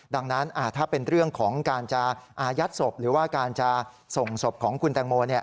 ดังนั้นถ้าเป็นเรื่องของการจะอายัดศพหรือว่าการจะส่งศพของคุณแตงโม